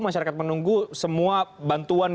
masyarakat menunggu semua bantuan